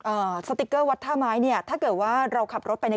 สติ๊กเกอร์วัดท่าไม้เนี่ยถ้าเกิดว่าเราขับรถไปใน